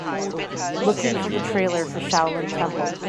Looking for the trailer for Shaolin Temple